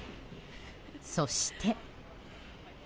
そして。